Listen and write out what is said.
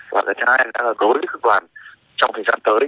và cái thứ hai là đối với cơ quan trong thời gian tới